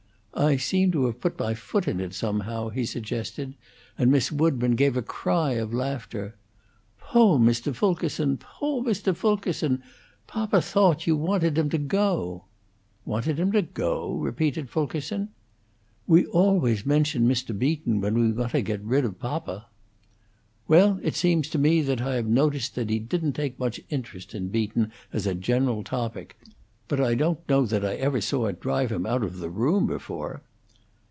"I seem to have put my foot in it, somehow," he suggested, and Miss Woodburn gave a cry of laughter. "Poo' Mr. Fulkerson! Poo' Mr. Fulkerson! Papa thoat you wanted him to go." "Wanted him to go?" repeated Fulkerson. "We always mention Mr. Beaton when we want to get rid of papa." "Well, it seems to me that I have noticed that he didn't take much interest in Beaton, as a general topic. But I don't know that I ever saw it drive him out of the room before!"